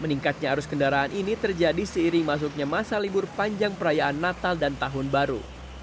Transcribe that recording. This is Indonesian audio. meningkatnya arus kendaraan ini terjadi seiring masuknya masa libur panjang perayaan natal dan tahun baru